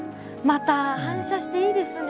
また反射していいですね